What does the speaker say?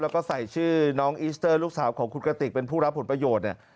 แล้วก็ใส่ชื่อน้องอีสเตอร์ลูกสาวของคุณกติกเป็นผู้รับผลประโยชน์เนี่ย